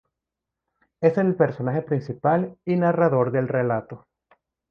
Es el personaje principal y narrador del relato.